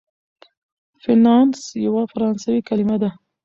فینانس یوه فرانسوي کلمه ده.